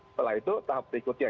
setelah itu tahap berikutnya